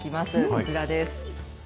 こちらです。